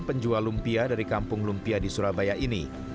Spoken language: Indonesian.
penjual lumpia dari kampung lumpia di surabaya ini